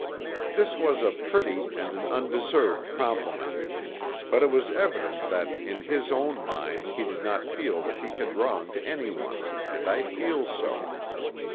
This was a pretty and an undeserved compliment; but it was evident that in his own mind he did not feel that he had wronged anyone, and I feel so.